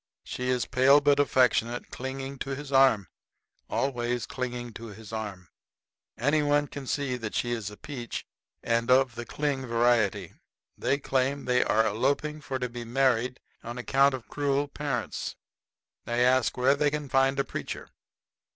She is pale but affectionate, clinging to his arm always clinging to his arm. Any one can see that she is a peach and of the cling variety. They claim they are eloping for to be married on account of cruel parents. They ask where they can find a preacher.